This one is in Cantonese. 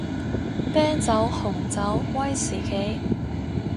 啤酒紅酒威士忌